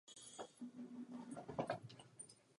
Upřímně doufám, že bude ratifikována hned po podpisu.